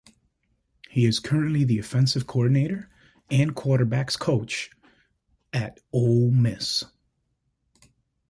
He is currently the offensive coordinator and quarterbacks coach at Ole Miss.